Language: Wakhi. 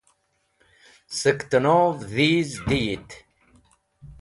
Sẽk tẽnov dhiz diyit.